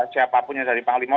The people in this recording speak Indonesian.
siapapun yang dari panglima